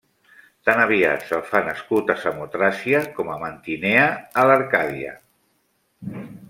Tan aviat se'l fa nascut a Samotràcia com a Mantinea, a l'Arcàdia.